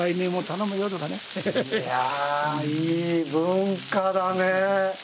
いやいい文化だね。